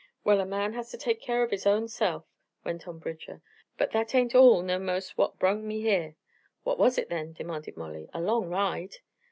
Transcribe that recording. "Well, a man has ter take keer o' his own self," went on Bridger. "But that ain't all ner most what brung me here." "What was it then?" demanded Molly. "A long ride!"